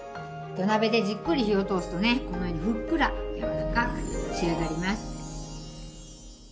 土鍋でじっくり火を通すとねこのようにふっくら柔らかく仕上がります。